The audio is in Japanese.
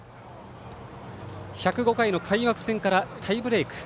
１０５回の開幕戦からタイブレーク。